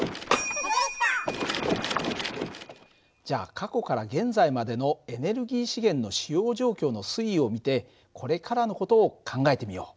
じゃあ過去から現在までのエネルギー資源の使用状況の推移を見てこれからの事を考えてみよう。